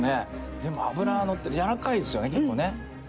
でも脂がのってやわらかいですよね結構ね。